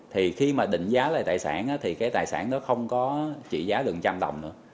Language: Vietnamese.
thì khi mà định giá lại tài sản thì cái tài sản nó không có trị giá được một trăm linh đồng nữa